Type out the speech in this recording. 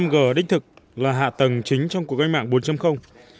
năm g đích thực là hạ tầng chính trong cuộc gây mạng bốn